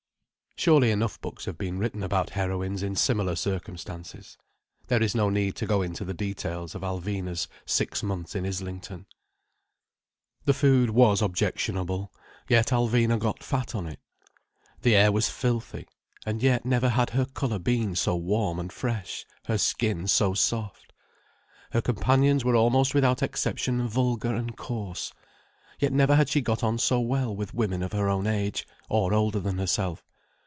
Surely enough books have been written about heroines in similar circumstances. There is no need to go into the details of Alvina's six months in Islington. The food was objectionable—yet Alvina got fat on it. The air was filthy—and yet never had her colour been so warm and fresh, her skin so soft. Her companions were almost without exception vulgar and coarse—yet never had she got on so well with women of her own age—or older than herself.